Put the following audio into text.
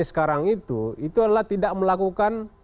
sekarang itu itu adalah tidak melakukan